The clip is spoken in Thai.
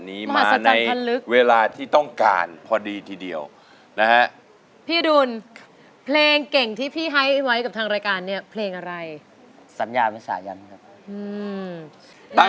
ใช้ครับ